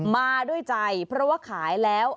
มาด้วยใจเพราะว่าขายแล้ว